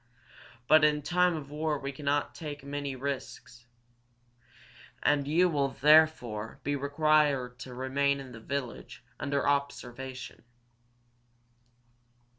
But in time of war we may not take any risks, and you will, therefore, be required to remain in this village under observation.